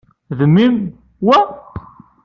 D mmi-m, wa?